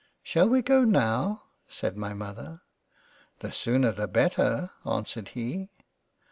" Shall we go now ?" (said my Mother,) " The sooner the better." (an swered he.)